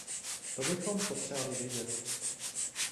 To bychom potřebovali vědět.